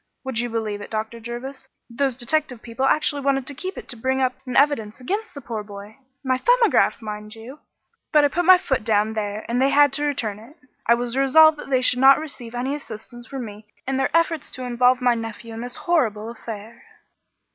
Would you believe it, Dr. Jervis, those detective people actually wanted to keep it to bring up in evidence against the poor boy. My 'Thumbograph,' mind you. But I put my foot down there and they had to return it. I was resolved that they should not receive any assistance from me in their efforts to involve my nephew in this horrible affair."